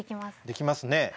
できますね。